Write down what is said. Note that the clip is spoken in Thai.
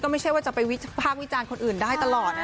ไม่ใช่ว่าจะไปวิภาควิจารณ์คนอื่นได้ตลอดนะ